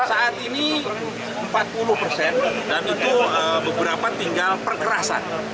saat ini empat puluh persen dan itu beberapa tinggal perkerasan